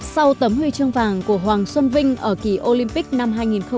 sau tấm huy chương vàng của hoàng xuân vinh ở kỳ olympic năm hai nghìn một mươi sáu